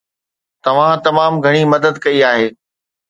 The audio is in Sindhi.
توهان تمام گهڻي مدد ڪئي آهي